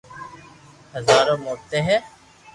بزارر موٽي هي